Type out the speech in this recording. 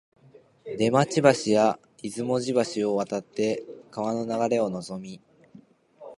出町橋や出雲路橋を渡って川の流れをのぞみ、